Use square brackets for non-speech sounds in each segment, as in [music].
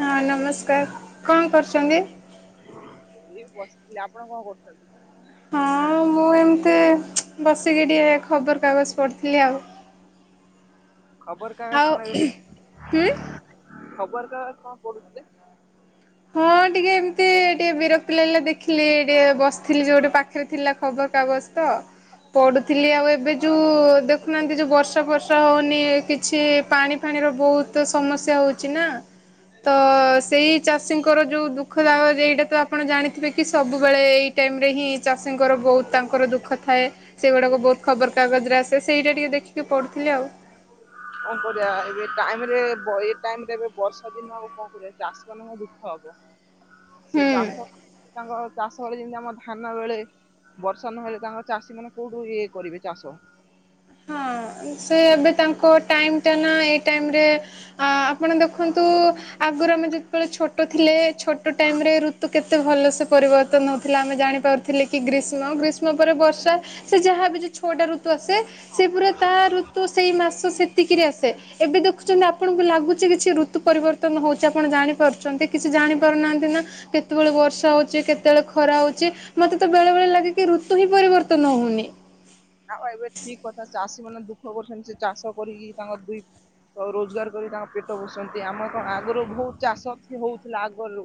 ହଁ ନମସ୍କାର କଣ କରୁଛନ୍ତି? ବସିଥିଲି ଆପଣ କଣ କରୁଛନ୍ତି? ହଁ। ମୁଁ ଏମିତି ବସିକି ଟିକେ ଖବରକାଗଜ ପଢ଼ିଥିଲି ଆଉ। ଖବର କାଗଜ ଆଉ ପଢ଼? ହୁଁ ଖବର କାଗଜ କଣ ପଢୁଥିଲେ? ହଁ ଟିକେ ଏମିତି ଟିକେ ବିରକ୍ତି ଲାଗିଲା ଦେଖିଲି ଟିକେ ବସିଥିଲି ଯୋଉଠି ପାଖରେ ଥିଲା ଖବର କାଗଜ ତ ପଡୁଥିଲି ଆଉ ଏବେ ଯୋଉ ଦେଖୁନାହାନ୍ତି ଯୋଉ ବର୍ଷା ବର୍ଷା ହଉନି କିଛି ପାଣି ଫାଣି ବହୁତ ସମସ୍ୟା ହଉଛି ନା ତ ଚାଷୀଙ୍କର ଯୋଉ ଦୁଃଖ ଦାଗ ଏଇଟା ତ ଆପଣ ଜାଣିଥିବେ କି ସବୁବେଳେ ଏଇ ଟାଇମ ରେ ହିଁ ଚାଷୀଙ୍କର ବହୁତ ତାଙ୍କର ଦୁଃଖ ଥାଏ ସେଗୁଡାକ ବହୁତ ଖବର କାଗଜରେ ଆସେ ସେଇତ ଦେଖିକି ଟିକେ ପଢ଼ୁଥିଲି ଆଉ। କଣ କରିବା ଏବେ ଟାଇମ ରେ ଏ ଟାଇମ ରେ ଏବେ ବର୍ଷା ଦିନ ଆଉ କଣ କରିବା ଚାଷୀ ମାନଙ୍କ ଦୁଃଖ। ସେ ହୁଁ। ଚାଷ ତାଙ୍କ ଚାଷ ବଳେ ଯେମିତି ବର୍ଷା ନହେଲେ ତାଙ୍କର ଚାଷୀ ମାନେ କୋଉଠୁ ଇଏ କରିବେ ଚାଷ। ହଁ। ସେ ଏବେ ତାଙ୍କ ଟାଇମ ଟା ନା ଏଇ ଟାଇମରେ ଆପଣ ଦେଖନ୍ତୁ ଆଗରୁ ଆମେ ଯେତେବେଳେ ଛୋଟ ଥିଲେ ଛୋଟ ଟାଇମ ରେ ଋତୁ କେତେ ଭଲ ପରିବର୍ତ୍ତନ ହଉଥିଲା ଆମେ ଜାଣି ପାରୁଥିଲେ କି ଗ୍ରୀଷ୍ମ ଗ୍ରୀଷ୍ମ ପରେ ବର୍ଷା ସେ ଯାହା ବି ଛୋଟ ଋତୁ ଆ ସେ ପ ତା ଋତୁ ସେଇ ମାସ ସେତିକିରି ଆସେ ଏବେ ଦେଖୁଛନ୍ତି ଆପଣଙ୍କୁ ଲାଗୁଛି କିଛି ଋତୁ ପରିବର୍ତ୍ତନ ହଉଛି ଆପଣ ଜାଣିପାରୁଛନ୍ତି କି ସେ ଜାଣିପାରୁନାହାନ୍ତି ନା କେତେବେଳେ ବର୍ଷା ହଉଚି, କେତେବେଳେ ଖରା ହଉଚି, ମତେ ତୋ ବେଳେ ବେଳେ ଲାଗେ କି ରୁ ୠତୁ ହିଁ ପରିବର୍ତ୍ତନ ହଉନି। ଆଉ ଏବେ ଠିକ କଥା ଚାଷୀ ମାନେ ଦୁଃଖ କରୁଛନ୍ତି, ସେ ଚାଷ କରିକି ତାଙ୍କର ଦୁଇ ରୋଜଗାର କରି ତାଙ୍କ ପେଟ ପୋ ସନ୍ତି, ଆମର କଣ ଆଗରୁ ବହୁତ ଚାଷ ହଉଥିଲା ଆଗରୁ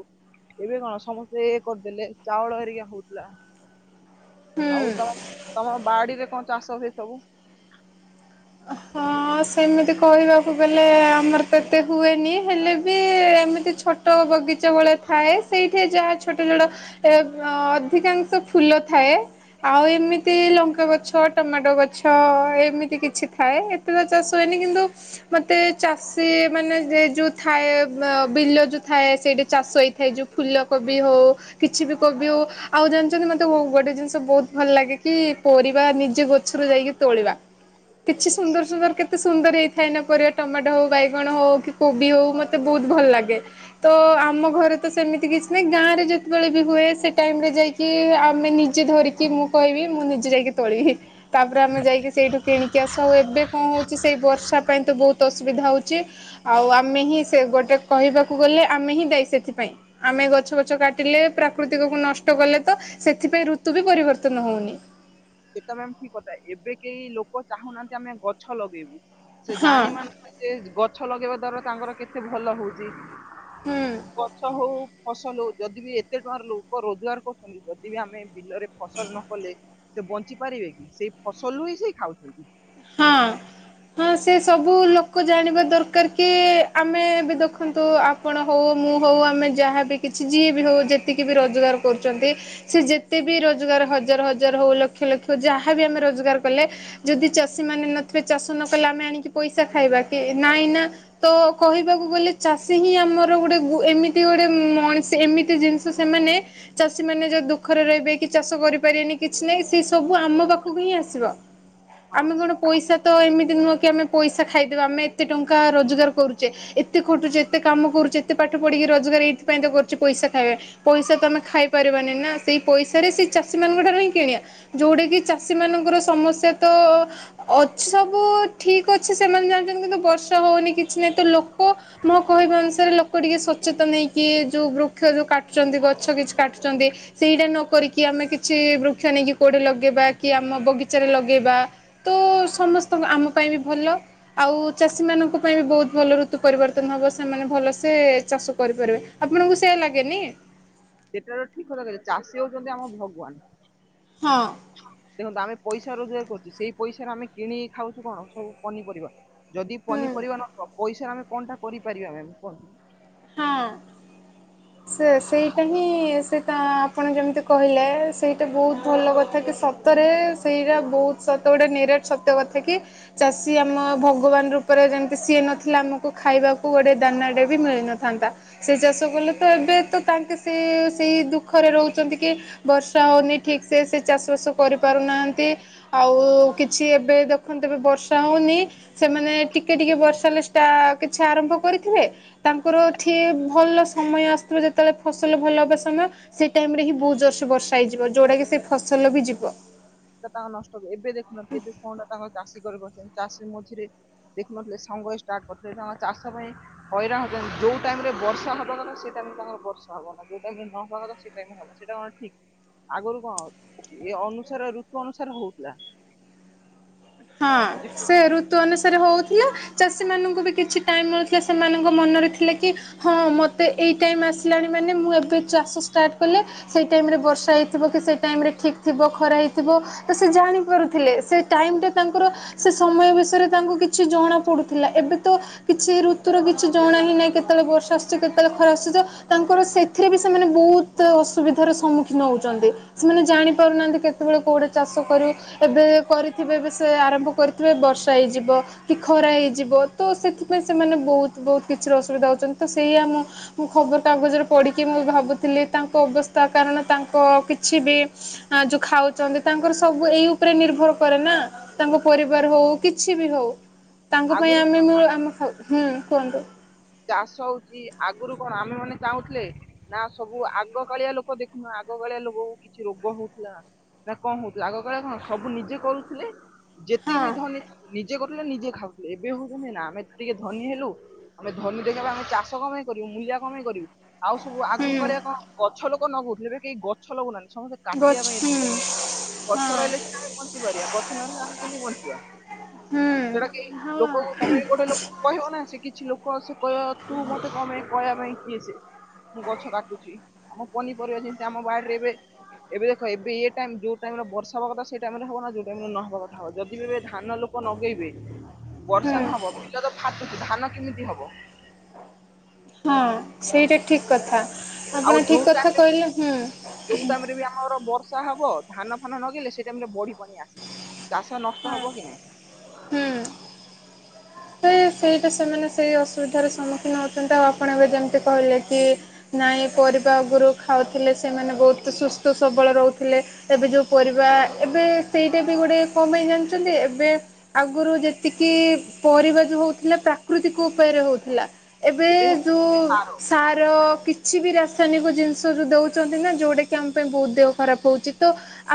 ଏବେ କଣ ସମସ୍ତେ ଏ କରିଦେଲେ ଚାଉଳ ହେରିକା ହଉଥିଲା। ଆଉ ହୁଁ ତମ ତମ ବାଡିରେ କଣ ଚାଷ ହୁଏ ସବୁ? ହ ହଁ। ହଁ ସେମିତି କହିବାକୁ ଗଲେ ଆମର ତ ଏତେ ହୁଏନି ହେଲେ ବି ଏମିତି ଛୋଟ ବଗିଚା ବଳେ ଥାଏ। ସେଇଠି ଯାହା ଛୋଟ ଛୋଟ ଅଧିକାଂଶ ଫୁଲ ଥାଏ ଆଉ ଏମିତି ଲଙ୍କା ଗଛ ଟମାଟୋ ଗଛ ଏମିତି କିଛି ଥାଏ, ଏତେ ତ ଚାଷ ହୁଏନି କିନ୍ତୁ ମତେ ଚାଷୀ ମାନେ ଯୋଉ ଥାଏ ବିଲ ଯୋଉ ଥାଏ, ସେଇଠି ଚାଷ ହେଇଥାଏ, ଯୋଉ ଫୁଲ କୋବି ହଉ କିଛି, ବି କୋବି ହଉ ଆଉ ଜାଣିଛନ୍ତି ତ ଗୋଟେ ଜିନିଷ ବହୁତ ଭଲ ଲାଗେ, କି ପରିବା ନିଜେ ଗଛରୁ ଯାଇକି ତୋଳିବା କିଛି ସୁନ୍ଦର ସୁନ୍ଦର କେତେ ସୁନ୍ଦର ହେଇଛି। ଖାଇ ନ ପର ଟମାଟୋ ହଉ, ବାଇଗଣ ହଉ, କି କୋବି ହଉ, ମତେ ବହୁତ ଭଲ ଲାଗେ ତ ଆମ ଘରେ ତ ସେମିତି କିଛି ନାହିଁ, ଗାଁରେ ଯେତେବେଳେ ବି ହୁଏ, ସେ ଟାଇମ ରେ ଯାଇକି ଆମେ ନିଜେ ଧରିକି ମୁଁ କହିବି ମୁଁ ନିଜେ ଯାଇକି ତୋଳିବି ତାପରେ ଆମେ ଯାଇକି ସେଇଠୁ କିଣିକି ଆସୁ ଆଉ ଏବେ କଣ ହଉଛି, ସେଇ ବର୍ଷା ପାଇଁ ତ ବହୁତ ଅସୁବିଧା ହଉଛି ଆଉ ଆମେ ହିଁ ସେ ଗୋଟେ କହିବାକୁ ଗଲେ ଆମେ ହିଁ ଦାୟୀ ସେଥିପାଇ, ଆମେ ଗଛ ଗଛ କାଟିଲେ ପ୍ରାକୃତିକ କ ନଷ୍ଟ କଲେ ସେଥିପାଇଁ ଋତୁ ବି ପରିବର୍ତ୍ତନ ହଉନି। ସେଟା ମେମ ଠିକ କଥା ଏବେ କେହି, ଲୋକ ଚାହୁଁନାହାନ୍ତି ଆମେ ଗଛ ଲଗେଇବୁ ସେ ହଁ ଜାନି ନାହାନ୍ତୀ, ଯେ ଗଛ ଲଗେଇବା ଦ୍ଵାରା ତାଙ୍କର କେତେ ଭଲ ହଉଛି ହୁଁ। ଗଛ ହଉ ଫସଲ ଯଦି ବି ଏତେ ଟଙ୍କାର ଲୋକ, ରୋଜଗାର କରୁଛନ୍ତି ଯଦି ବି ଆମେ ବିଲରେ ସେ ବଞ୍ଚି ପାରିବେ କି ସେଇ ଫସଲରୁୁ ହିଁ ସେ ଖାଉଛନ୍ତି। ହଁ। ହଁ ସେ ସବୁ ଲୋକ ଜାଣିବା ଦରକାର କି, ଆମେ ଏ ବି ଦେଖନ୍ତୁ ଆପଣ ହଉ ମୁଁ ହଉ, ଆମେ ଯାହାବ କିଛି ଯିଏ ବି ହଉ ଯେତିକି ବି ରୋଜଗାର କରୁଛନ୍ତି, ସେ ଯେତେ ବି ରୋଜଗାର ହଜ ହଜାର ହଉ ଲକ୍ଷ ଲକ୍ଷ ଯାହା ବି ଆମେ ରୋଜଗାର କଲେ ଯଦି ଚାଷ ମାନେ ନଥିବେ ଚାଷ ନ କଲେ ଆମେ ଆଣିକି ପଇସା ଖାଇବା କି ନାଇଁ, ନା ତ କହିବାକୁ ଗଲେ ଚାଷ ହି ଆମର ଗୋଟେ ଏମିତି ଗୋଟେଣି, ଏମିତି ମଣିଷ ଜିନିଷମାନେ ଚାଷୀମାନେ ଦୁଃଖରେ ରହିବେ କି ଚାଷ କରିପାରିବେନି କିଛି, ନା ହିଁ ସେ ସବୁ ଆମ ପାଖକୁ ହିଁ ଆସିବ ହଁ ଆମେ କଣ ପଇସା ତ ଏମିତି ନୁହଁ କି ଆମେ ପଇସା ଖାଇଦେବା ଆମେ ଏତେ ଟଙ୍କା ରୋଜାଗାର କରୁଛେ, ଏତେ ଖଟୁଛେତେ କାମ କରୁଛ ଏତେଠ ପଢିକି ରୋଜଗାର ଏଇଥିପାଇ ତ କରୁଛି, ପଇସା ଖାଇବା ପଇସା ତ ଆମେ ଖାଇ ପାରିବାନି ନା ସେଇ ପଇସାରେ ସେଇ ଚାଷୀମାନ ଙ୍କୁ ଠାରୁ କିନି ବା ଯୋଉଟା କିି ଚାଷୀମାନ ଙ୍କ ସମସ୍ୟା ଅଛି, ସବୁ ଠିକ୍ ଅଛି ସେମାନେ ଜାଣିଛନ୍ତି, କିନ୍ତୁ ବର୍ଷା ହଉନି କିଛି ନାହଁ, ତୋ ଲୋକ ମୋ କହିବା ଅନୁସାରେ ଲୋକ ଟିକେ ସଚେତନ ନେଇକି, ଯଉ ବୃକ୍ଷ ଯେଉ କାଟୁଛନ୍ତି ଗଛ କିଛି କାଟୁଛନ୍ତି ସେଇଟା ନକିକି ଆମେ କିଛି ବୃକ୍ଷ ନେଇକି, କୋଆଡେ ଲଗେଇବା କି ଆମ ବଗିଚାରେ ଲଗେଇବା ତ ସମସ୍ତଙ୍କ ଆମ ପାଇଁ ବି ଭଲ ଆଉ ଚାଷୀ ମଙ୍କ ପାଇଁ ବି ବହୁତ ଭଲ ଋତୁ ପରିବର୍ତ୍ତନ ହବ ସେମାନେ ଭଲସେ ଚାଷ କରିପାରିବେ, ଆପଣଙ୍କୁ ସେୟା ଲାଗେନି? ସେଟାର ଠିକ କଥା ଚାଷୀ ଯଦି ଆମର ଭଗବାନ। ହଁ। ଦେଖନ୍ତୁ ଆମେ ପଇସା ରୋଜଗାର କରୁଛୁ, ସେଇ ପଇସାରେ ଆମେ କିଣିିକି ଖାଉଛୁ କଣ ସବୁ ପନିପରିବା ଯଦି ହୁଁ ପନିପରିବା ନ ପଇସାରେ ଆମେ କଣ ଟା କରିପାରିବା କୁହନ୍ତୁ? ହଁ। ସେ ସେଇଟା ହିଁ ସେଟ ଆପଣ ଯେମିତି କହିଲେ, ସେଇଟା ବହୁତ ଭଲ କଥା କି ସତ ସେଇଟା ବହୁତ ସତ ଗୋଟେ ନିରାଟ ସତ କଥା କି ଚାଷୀ ଆମ ଭଗବାନ ରୂପରେ ଯେମତି ସିଏ ନଥିଲା, ଆମକୁ ଖାଇବାକୁ ଗୋଟେ ଦାନାଟେ ବି ମିଳିନଥିଲା। ଥାନ୍ତା ସେ ଚାଷ କଲେ ତ ଏବେ ତ ତାଙ୍କେ ସେ ସେଇ ଦୁଃଖରେ ରହୁଛନ୍ତି କି ବର୍ଷା। ହଉନି ଠିକ ସେ ସେ ଚାଷ ବାସ କରି ପାରୁ ନାହାନ୍ତି ଆଉ କିଛି ଏବେ ଦେଖନ୍ତୁ ବି ବର୍ଷ ବର୍ଷା ହଉନି ସେମାନେ ଟିକେ ଟିକେ ବର୍ଷା ହେଲେ ଷ୍ଟା କିଛି ଆରମ୍ଭ କରିଥିବେ ତାଙ୍କ ର ଠି ଭଲ ସମୟ ଆସିବ ଯେତେ ବେଳେ ଫସଲ ଭଲ ହେବା ସମୟ ସେ ଟାଇମ ରେ ହିଁ ବହୁତ ଯୋରସେ ବର୍ଷ ର୍ଷା ହେଇଯିବ ଯୋଉଟା କି ସେ ଫସଲ ବି ଯିବ। ସେଟା ତାଙ୍କ ନଷ୍ଟ ହବ ଏବେ ଦେଖୁନହାନ୍ତି କେବେ କଣ ଟା ତାଙ୍କ ଚାଷୀ। ଚାଷୀ ମଝିରେ ଦେଖୁନଥିଲେ ସଙ୍ଗ ହେଇ ଷ୍ଟାର୍ଟ କରିଥିଲେ ତାଙ୍କ ଚାଷ ପାଇଁ ହଇରାଣ ହଉଛନ୍ତି। ଯୋଉ ଟାଇମରେ ବର୍ଷା ହବା କଥା ସେ ଟାଇମ ରେ ତାଙ୍କର ବର୍ଷା ହବନି ଯୋଉ ଟାଇମରେ ନ ହବା କଥାସେ ଟାଇମ ରେ ହବ ସେଇଟା କଣ ଠିକ। ଆଗରୁ କଣ ଏ ଅନୁସାରେ ଋତୁ ଅନୁସାରେ ହଉଥିଲା। ହଁ ଯେ ସେ ଋତୁ ଅନୁସାରେ ହଉଥିଲା। ଚାଷୀ ମାନଙ୍କୁ ବି କିଛି ଟାଇମ ମିଳୁଥିଲା ସେମାନଙ୍କ ମନରେ ଥିଲେ କି ହଁ ମତେ ଏଇ ଟାଇମ ଆସିଲାଣି ମାନେ ମାନେ ମୁଁ ଏବେ ଚାଷ ଷ୍ଟାର୍ଟ କଲେ ସେଇ ଟାଇମ ରେ ବର୍ଷା ହେଇଥିବ କି ସେଇ ଟାଇମ ରେ ଠିକ୍ ଥିବ ଖରା ହେଇଥିବ। ଏ ସେ ଜାଣି ପାରୁଥିଲେ ସେ ଟାଇମ ଟା ତାଙ୍କର ସେ ସମୟ ବିଷୟରେ ତାଙ୍କୁ କିଛି ଜଣା ପଡୁଥିଲା ଏବେ ତ କିଛି ଋତୁର କିଛି ଜଣା। ପଡୁ ହିଁ ନାଇ କେତେବେଳେ ବର୍ଷା ଆସୁଛି କେତେବେଳେ ଖରା ଆସୁଚି ତାଙ୍କର ସେଥିରେ ବି ସେମାନେ ବହୁତ ଅସୁବିଧାର ସମୁ ମ୍ମୁଖୀନ ହଉଛନ୍ତି ସେମାନେ ଜାଣି ପାରୁନାହାନ୍ତି କେତେବେଳେ କୋଉଟା ଚାଷ କରିବୁ ଏବେ କରିଥିବେ ଏବେ। ସେ ଆରମ୍ଭ କରିିବେ ବର୍ଷା ହେଇଯିବ କି ଖରା ହେଇଯିବ ତ ସେଥିପାଇଁ ସେମାନେ ବହୁତ ବହୁତ କି କିଛି ର ଅସୁବିଧା ହଉଛନ୍ତି ତ ସେଇଆ ମୁଁ ଖବର କାଗଜରେ ପଢିକି ମୁଁ ଭାବୁଥିଲି ତାଙ୍କ ଅବସ୍ଥା କାରଣ। ତାଙ୍କ କିଛି ବି ଯୋଉ ଖାଉଚନ୍ତି ତାଙ୍କର ସବୁ ଏଇ ଉପରେ ନିର୍ଭର କରେ ନା। ତାଙ୍କ ପରିବାର ହଉ କିଛି ବି ହଉ ତାଙ୍କ ପାଇଁ ଆଗରୁ କଣ ଆମେ ମୁ ଆମେ ହଉ। ହୁଁ କୁହନ୍ତୁ। ଚାଷ ହଉଛି ଆଗରୁ କଣ ଆମେ ମାନେ ଚାହୁଁଥିଲେ ନା ସବୁ ଆଗ କାଳିଆ ଲୋକ ଦେଖୁନ ଆଗ। କାଳିଆ ଲୋକକୁ କିଛି ରୋଗ ହଉଥିଲା ନା କଣ ହଉଥିଲା ଆଗ କାଳେ କଣ ସବୁ ନିଜେ କରୁଥିଲେ। ଯେତିକି ହଁ ବି ଧନୀ ନିଜେ କରୁଥିଲେ ନିଜେ ଖାଉଥିଲେ ଏବେ ହୁ କହୁଛନ୍ତି ନା ଆମେ ଟିକେ ଧନୀ ହେଲୁ। ଆମେ ଧନୀ ଦେଖିଇବା ଆମେ ଚାଷ କପାଇଁ କରିବୁ ମୂଲିଆ କପାଇଁ କରିବୁ ଆଉ ସବୁ ଆଗୁ ହୁଁ କଳିଆ କଣ ଗଛ ଲ ଲୋକ ନଗଉଥିଲେ ଏବେ କେହି ଗଛ ଲଗଉନାଆନ୍ତି ସମସ୍ତେ କାଟିବା ଗଛ ପାଇଁ ଉ ହୁଁ ଗଛ ହଁ ରହିଲେ ସିନା ଆମେ ବଞ୍ଚିପାରିବା ଗଛ ନ ରହିଲେ ଆମେ କେମିତି ବଞ୍ଚିବା। ସେଇଟା କି ହୁଁ ହଁ ଲୋକ କୁ ତମେ ଏଠି ଗୋଟେ ଲୋକକୁ କହିବ ନା ସେ କିଛି ଲୋ କ ସେ କହିବ ତୁ ମତେ କଣ ପାଇଁ କହିବା ପାଇଁ କିଏ ସେ ମୁଁ ଗଛ କାଟୁଛି। ଆମ ପନିପରିବା ଯେମିତି ଆମ ବାଡି ରେ ଏବେ। ଏବେ ଦେଖ ଏବେ ଇଏ ଟାଇମ ଯୋଉ ଟାଇମରେ ବର୍ଷା ହବା କଥା ସେଇ ଟାଇମ ହବ ନା ଯୋଉ ଟାଇମ ରେ ନହବା କଥା ହବ। ଧାନ ଲୋକ ନଗେଇବେ ହୁଁ ବର୍ଷା ନହବ ଵିଲ ତ ଫାଟୁଛି ଧାନ କେମିତି ହବ? ହଁ ସେଇଟା ଠିକ କଥା ଆଉ ଆପଣ ଯୋଉ ଠିକ ଟାଇମ କଥା ରେ କହିଲେ ହୁଁ। ଯୋଉ ଟାଇମ ରେ ବି ଆମର ବର୍ଷା ହବ ଧାନ ଫାନ ନଗେଇଲେ ସେଇ ଟାଇମ ରେ ବଢି ପାଣି ଆସିବ। ଚାଷ ନଷ୍ଟ ହଁ ହବ କି ନାଇଁ। ତ ସେଇଟା ସେମାନେ ସେଇ ଅସୁବିଧାର ସମ୍ମୁଖୀନ ହଉଛନ୍ତି ଆଉ ଆପଣ ଏବେ ଯେମିତି କହିଲେ କି। ନାହିଁ ପରିବା ଆଗରୁ ଖାଉଥିଲେ ସେମାନେ ବହୁତ ସୁସ୍ଥ ସବଳ ରହୁଥିଲେ ଏବେ ଯେଉଁ ପରିବା। ଏବେ ସେଇଟା ବି ଗୋଟେ କ ପାଇଁ ଜାଣିଛନ୍ତି ଏବେ ଆଗରୁ ଯେତିକି। ପରିବା ଯଉ ହଉଥିଲା ପ୍ରାକୃତିକ ଉପାୟରେ ହଉଥିଲା। ଏବେ ଯୋଉ ସାର। କିଛି ବି ରାସାୟନିକ ଜିନିଷ ଯୋଉ ଦଉଛନ୍ତି ନା ଯୋଉଟା କି ଆମ ପାଇଁ ବହୁତ ଦେହ ଖରାପ ହଉଛି ତ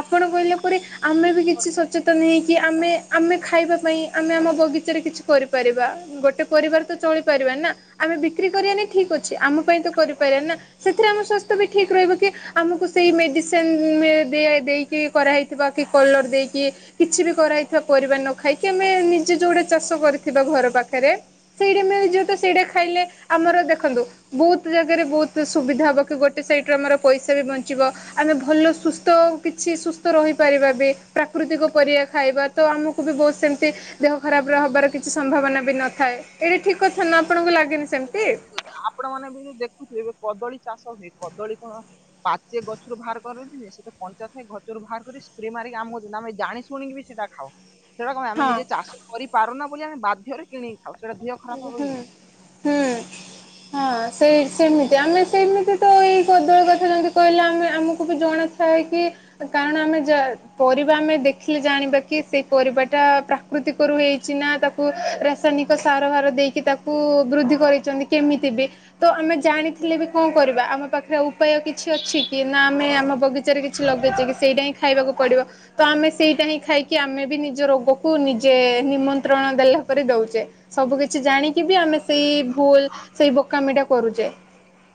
ଆପଣ। କହିଲା ପରେ ଆମେ ବି କିଛି ସଚେତନ ହେଇକି ଆମେ ଆମେ ଖାଇବା ପାଇଁ ଆମେ ଆମ ବଗିଚାରେ କିଛି। କରିପାରିବା ଗୋଟେ ପରିବାର ତ ଚଳିପାରିବା ନା ଆମେ ବିକ୍ରି କରିବାନି ଠିକ ଅଛି ଆମ ପାଇଁ ତ କରିପାରି ପାରିବା ନା ସେଥିରେ ଆମ ସ୍ୱାସ୍ଥ୍ୟ ବି ଠିକ୍ ରହିବ କି ଆମକୁ ସେଇ ମେଡିସିନ ରେ ଦିଆ ଦେଇକି କ କି କରା ହେଇଥିବା କି କଲର ଦେଇକି କିଛି ବି କରା ହେଇଥିବା ପରିବା ନ ଖାଇକି ଆମେ ନିଜେ ଯୋଉଟା ଚାଷ କରି ଥିବା ଘର ପାଖରେ ସେଇଠି ମିଳିଯିବ ତ ସେଇଟା ଖାଇଲେ ଆମର ଦେଖନ୍ତୁ ବହୁତ ଜାଗା ରେ ବହୁତ। ତ ସୁବିଧା ହବ କି ଗୋଟେ ସାଇଟ୍ ରୁ ଆମର ପଇସା ବି ବଞ୍ଚିବ ଆମେ ଭଲ ସୁସ୍ଥ ଆଉ କିଛି ସୁସ୍ଥ ର ହୋଇ ପାରିବା ବି ପ୍ରାକୃତିକ ପରିବା ଖାଇବା ତ ଆମକୁ ବି ବହୁତ ସେମତି ଦେହ ଖରାପ ହବାର କି କିଛି ସମ୍ଭାବନା ବି ନଥାଏ ଏଇଟା ଠିକ କଥା ନା ଆପଣଙ୍କୁ ଲାଗେନି ସେମିତି। ଆପଣ ମାନେ ବି ଦେଖୁଥିବେ ଏବେ କଦଳୀ ଚାଷ ହୁଏ କଦଳୀ କଣ ପାଚେ ଗଛରୁ ବାହାର କର ସେ ପଞ୍ଚା ଥାଏ ଘଛରୁ ବାହାର କରି ସ୍ପ୍ରେ ମାରିକି ଆମ ହୋଉଛନ୍ତି ଆମେ ଜାଣି ଶୁଣିକି ବି ସେଇଟା ଖାଉ। ସେଇଟା କମେ ଆମେ ହଁ ନିଜେ ଚାଷ କରିପାରୁନା ବୋଲି ଆମେ ବାଧ୍ୟ କିଣି ଆଉ ସେଇଟା ଦେହ ଖରାପ ହବ ବୋଲି ହୁଁ ନାଇ। ହୁଁ ହଁ ସେଇ ସେମିତି ଆମେ ସେମିତି ତ ଏଇ କଦଳୀ ଗଛ ଯେମିତି କହିଲେ ଆମେ ଆମକୁ ବି ଜଣା ଥା [unintelligible] ହେଇକି ଆମେ ପରିବା ଆମେ ଦେଖିଲେ ଜାଣିବା କି ସେଇ ପରିବାଟା ପ୍ରା ହେଇଛି ନା ତାକୁ ରାସାୟନିକ ସାର ଭାର ଦେଇକି ତାକୁ ବୃଦ୍ଧି କରିଛନ୍ତି କେମିତି ବି ତ ଆମେ ଜାଣିଥିଲେ ବି କଣ କରିବା। ପାଖରେ ଉପାୟ କିଛି ଅଛି କି ନା ଆମେ ଆମ ବଗିଚାରେ କିଛି ଲଗେଇଛେ କି ସେଇଟା ହିଁ ଖାଇବାକୁ ପଡି ତ ଆମେ ସେଇଟା ହିଁ ଖାଇକି ଆମେ ବି ନିଜ ରୋଗକୁ ନିଜେ ନିମନ୍ତ୍ରଣ ଦେଲା ପରେ ଦୋଉଚେ। ସବୁ କିଛି ଜାଣିକି ବି ଆମେ ସେଇ ଭୁଲ ସେଇ ବୋକାମି ଟା କରୁଚେ।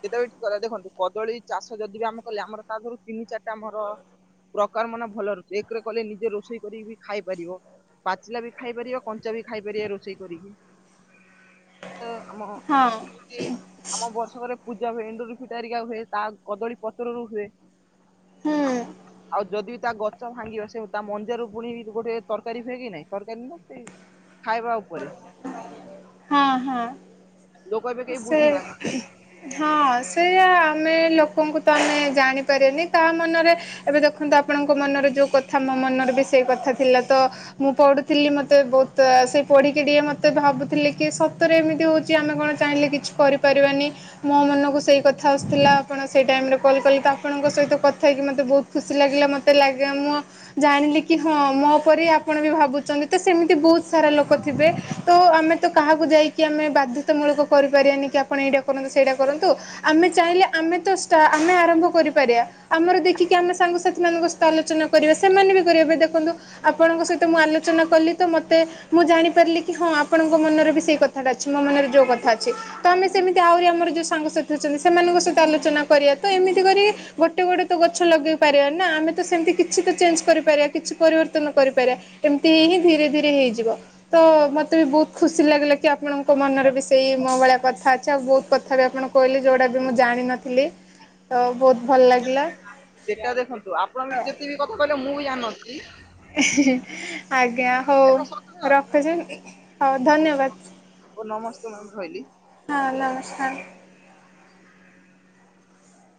ସେଇଟା ବି ଠିକ କଥା ଦେଖନ୍ତୁ କଦଳୀ ଚାଷ ଯଦି ବି ଆମେ କଲେ ଆମର ତା ଦେହରୁ ତିନି ଚାରିଟା ଆମର ପ୍ରକାର ମାନେ ଭଲ ରହୁଚି ଏକରେ କଲେ ନିଜେ ରୋଷେଇ କରି ଖାଇପାରିବ। ପାଚିଲା ବି ଖାଇ ପାରିବା କଞ୍ଚା ବି ଖାଇ ପାରିବା ରୋଷେଇ କରିକି। ହ ଆମ ଯେମତି ଆମ ବର୍ଷକରେ ପୂଜା ହୁଏ ଏଣ୍ଡୁରୁ ଫିଟାରିକା ହୁଏ ତା କଦଳୀ ପତରରୁ ହୁଏ। ହୁଁ ଆଉ ଯଦି ତା ଗଛ ଭାଙ୍ଗିବ ସେ ତା ମଞଜିରୁ ପୁଣି ଗୋଟେ ତରକାରୀ ହୁଏ କି ନାଇଁ ତରକାରୀ ନା ସେ ହଁ ହଁ। ଲୋକ ଏବେ କେହି ସେ ବୁଝୁନାହାନ୍ତି। ହଁ ସେଇୟା ଆମେ ଲୋକଙ୍କୁ ତ ଆମେ ଜାଣିପାରିବନି କାହା ମନରେ ଏବେ ଦେଖନ୍ତୁ ଆପଣଙ୍କ ମନରେ ଯୋଉ କଥା ମୋ ମନ ମନରେ ବି ସେଇ କଥା ଥିଲା ତ ମୁଁ ପଢୁଥିଲି ମତେ ବୋହୁତ ପଢ଼ିକି ଟିକଏ ମୋତେ ଭାବୁଥିଲେି କି ସତରେ ଏମିତି ହୋଉଚି ଆମେ କଣ ଚାହିଁଲେ କିଛି କରିପାରିବାନି ମୋ ମନକୁ ସେଇ କଥା ଆସୁଥିଲା ଆପଣ ସେଇ ଟାଇମରେ କଲ୍ କଲେ, ତ ଆପଣଙ୍କ ସହି କଥା ହେଇକି ମୋତେ ବୋହୁତ ଖୁସି ଲାଗିଲା ମୋତେ। ଲ ମୁଁ ଜାଣିଲି କି ହଁ ମୋ ପରି ଆପଣ ବି ଭାବୁଛନ୍ତି ତ ସେମିତି ବୋହୁତ ସାରା ଲୋକ ଥିବେ ତ ଆମେ ତ କାହାକୁ ଯାଇକି ଆମେ ବାଧ୍ୟତାମୂଳକ କରିପାରିବାନି କି ଆପଣ ଏଇଟା କରନ୍ତୁ ସେଇଟା କ ଆମେ ଚାହିଁଲେ ଆମେ ତ ଷ୍ଟା ଆମେ ଆରମ୍ଭ କରିପାରିବା, ଆମର ଦେଖିକି ଆମ ସାଙ୍ଗସଥି ମାଙ୍କ ସମ ଆଲୋଚନା କରେ ସେମାନେ ବି କରିବେ ଦେଖନ୍ତୁ ଆପଣଙ୍କ ସହିତ ମୁଁ ଆଲୋଚନା କଲି ତ ମତେ ମୁଁ ଜାଣି ପାରିଲି କି ହଁ ଆପଣଙ୍କ ମନରେ ବି ସେଇ କଥାଟା ଅଛି ମୋ ମନରେ ଯୋଉ କଥା ଅଛି, ତ ଆମେ ସେମିତି ଆହୁରି ଆମର ଯୋଉ ସାଙ୍ଗସାଥି ଅଛନ୍ତି ସେମାନଙ୍କ ସହିତ ଆଲୋଚନା କରିବା, ତ ଏମିତି କରି ଗୋଟେ ଗୋଟେ ତ ଗଛ ଲଗେଇ ପାରିବା ନା। ଆମେ ତ ସେମିତି କିଛି ତ ଚେଞ୍ଜ କରିପାରିବା କିଛି ପରିବର୍ତନ କରିପାରିବା ଏମିତିଇ ହିଁ ଧୀରେ ଧୀରେ ହେଇଯିବ। ତ ମତେ ବି ବୋହୁତ ଖୁସି ଲାଗିଲା କି ଆପଣଙ୍କ ମନରେ ବି ସେଇ ମୋ ଭଳିଆ କଥା ଅଛି ଆଉ ବୋହୁତ କଥା ବି ଆପଣ କହିଲେ ଯୋଉଟା ବି ମୁଁ ଜାଣିନଥିଲି ତ ବହୁତ ଭଲ ଲାଗିଲା। ସେଟା ଦେଖନ୍ତୁ ଆପଣ ବି ଯେତେ ବି କଥା କହିଲେ ମୁଁ ବି ଜାଣିନଥିଲି। ଆଜ୍ଞା ହଉ ଏଇଟା ସତ କଥା ରଖୁଛି, ହଉ ଧନ୍ୟବାଦ। ନମସ୍କାର ରହିଲି। ନମସ୍କାର ହଁ।